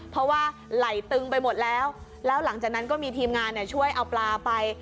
เพราะว่าไหลตึงไปหมดแล้วแล้วหลังจากนั้นก็มีทีมงานช่วยเอาปลาไป